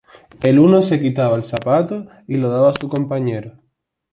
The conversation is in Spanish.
el uno se quitaba el zapato y lo daba á su compañero